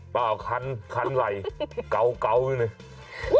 เปล่าคันไหล่เกาอยู่นี่